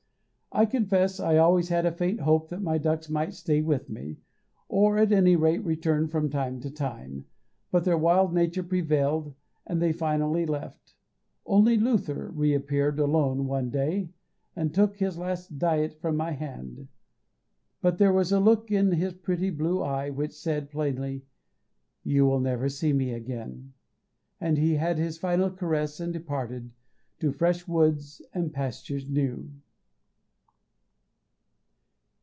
I confess I always had a faint hope that my ducks might stay with me, or at any rate return from time to time, but their wild nature prevailed, and they finally left; only Luther reappeared alone one day and took his last "diet" from my hand; but there was a look in his pretty blue eye which said plainly, "You will never see me again," and he had his final caress and departed "to fresh woods and pastures new."